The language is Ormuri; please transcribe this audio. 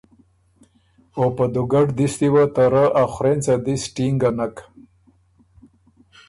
او په دُوګډ دستی وه ته رۀ ا خورېنڅه دِس ټینګه نک۔